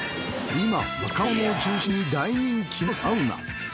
今若者を中心に大人気のサウナ。